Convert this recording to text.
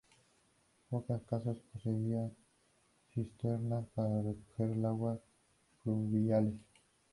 Pocas casas poseían cisternas para recoger las aguas pluviales.